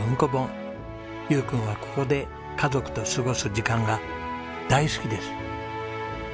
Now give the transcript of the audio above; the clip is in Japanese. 悠君はここで家族と過ごす時間が大好きです。